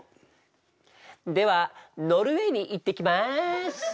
ではノルウェーに行ってきます！